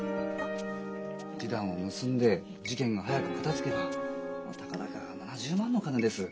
示談を結んで事件が早く片づけばたかだか７０万の金です。